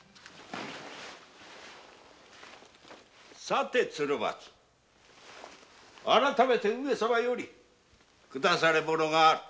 さて鶴松改めて上様より下され物がある。